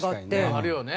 あるよね。